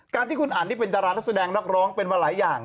การที่คุณอันที่เป็นดารานักแสดงนักร้องเป็นมาหลายอย่าง